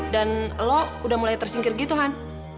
dan lo udah mulai tersingkir gitu han